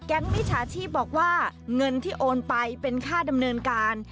มิจฉาชีพบอกว่าเงินที่โอนไปเป็นค่าดำเนินการ